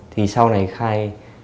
thì sau này khai